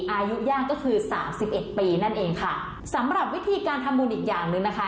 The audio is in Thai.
อายุย่างก็คือสามสิบเอ็ดปีนั่นเองค่ะสำหรับวิธีการทำบุญอีกอย่างหนึ่งนะคะ